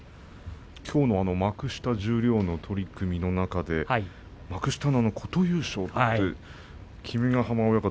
きょうの幕下十両の取組の中で幕下の琴裕将君ヶ濱親方